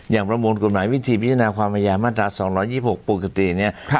อย่างประมวลกฎหมายวิธีพิจารณาความอายามาตราสองร้อยยี่หกปกติเนี้ยครับ